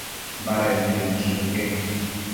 Baded nid inchësheque